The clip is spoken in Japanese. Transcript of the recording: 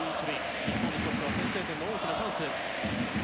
日本にとっては先制点の大きなチャンス。